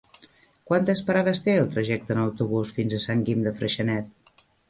Quantes parades té el trajecte en autobús fins a Sant Guim de Freixenet?